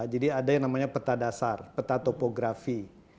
jadi ada yang namanya peta dasar peta topografi